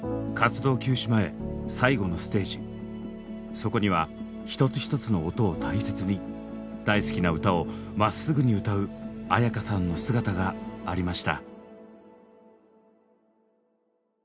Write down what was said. そこには一つ一つの音を大切に大好きな歌をまっすぐに歌う絢香さんの姿がありました。